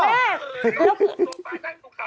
ฮะมากโอ้โฮ